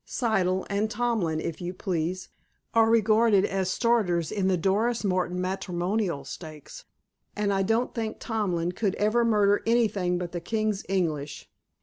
Siddle, and Tomlin, if you please, are regarded as starters in the Doris Martin Matrimonial Stakes, and I don't think Tomlin could ever murder anything but the King's English.